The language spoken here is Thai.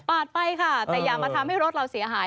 ไปค่ะแต่อย่ามาทำให้รถเราเสียหาย